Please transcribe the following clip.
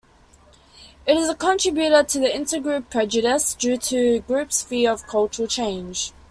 It is a contributor to intergroup prejudice due to groups' fear of cultural change.